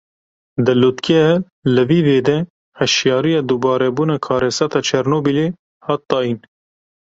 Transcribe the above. Di lûtkeya Livîvê de hişyariya dubarebûna karesata Çernobîlê hat dayîn.